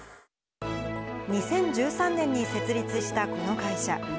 ２０１３年に設立したこの会社。